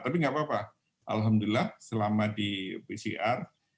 tapi gapapa alhamdulillah selama di pcr